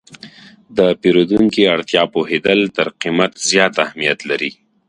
د پیرودونکي اړتیا پوهېدل تر قیمت زیات اهمیت لري.